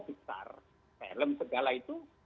besar film segala itu